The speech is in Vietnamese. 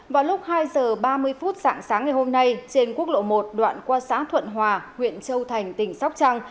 vào lúc hai giờ ba mươi phút sáng sáng ngày hôm nay trên quốc lộ một đoạn qua xã thuận hòa huyện châu thành tỉnh sóc trăng